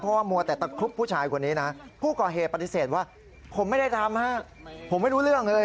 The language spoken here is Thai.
เพราะว่ามัวแต่ตะครุบผู้ชายคนนี้นะผู้ก่อเหตุปฏิเสธว่าผมไม่ได้ทำฮะผมไม่รู้เรื่องเลย